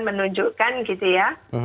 menunjukkan gitu ya